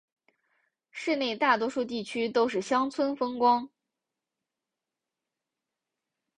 市内大多数地区都是乡村风光。